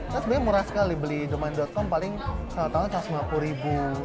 sebenarnya murah sekali beli domain com paling satu ratus lima puluh ribu